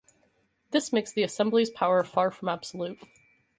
This makes the Assembly's power far from absolute.